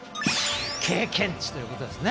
経験値ということで。